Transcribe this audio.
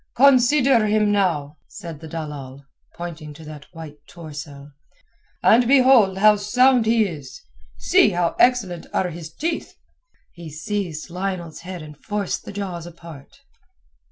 "Consider him now," said the dalal, pointing to that white torso. "And behold how sound he is. See how excellent are his teeth." He seized Lionel's head and forced the jaws apart.